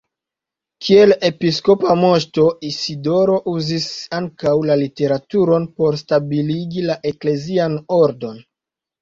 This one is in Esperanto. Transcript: Kiel episkopa moŝto Isidoro uzis ankaŭ la literaturon por stabiligi la eklezian ordon.